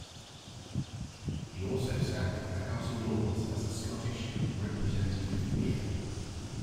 He also sat in the House of Lords as a Scottish representative peer.